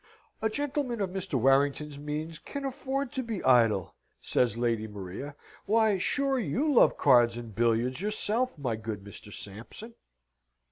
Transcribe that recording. "A gentleman of Mr. Warrington's means can afford to be idle," says Lady Maria. "Why, sure you love cards and billiards yourself, my good Mr. Sampson?"